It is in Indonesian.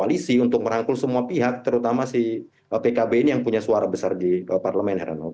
tapi juga di koalisi untuk merangkul semua pihak terutama si pkb ini yang punya suara besar di parlemen heran ho